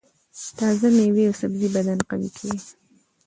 تازه مېوې او سبزۍ بدن قوي کوي.